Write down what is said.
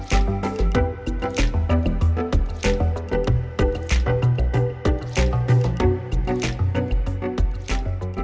hẹn gặp lại